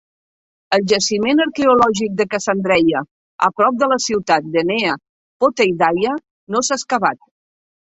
El jaciment arqueològic de Cassandreia, a prop de la ciutat de Nea Poteidaia, no s'ha excavat.